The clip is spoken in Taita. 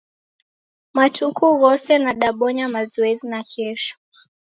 Matuku ghose nadabonya mazoezi nakesho